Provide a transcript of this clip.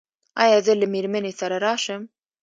ایا زه له میرمنې سره راشم؟